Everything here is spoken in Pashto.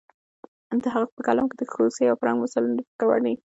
د هغه په کلام کې د هوسۍ او پړانګ مثالونه د فکر وړ دي.